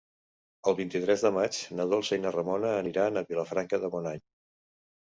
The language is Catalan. El vint-i-tres de maig na Dolça i na Ramona aniran a Vilafranca de Bonany.